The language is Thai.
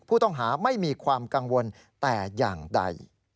ผู้ต้องหาไม่มีความกังวลแต่อย่างใด